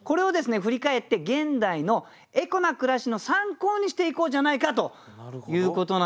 振り返って現代のエコな暮らしの参考にしていこうじゃないかということなんですよね。